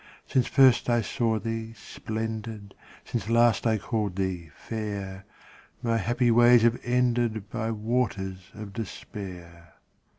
Since first I saw thee splendid, Since last I called thee fair, My happy ways have ended By waters of despair.